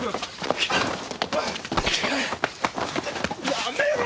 やめろ！